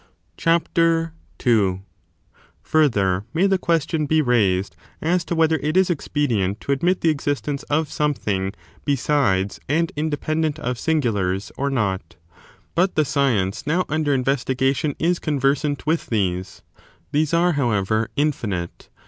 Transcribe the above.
CHAPTER II. Further, may the question be raised as to ^ 1,41,^,6 whether it is expedient to admit the existence of thing subsist something besides^ and independent of singulars, fromsS^to? or not ? but the science now imder investigation is conversant with these. These are, however, infinite.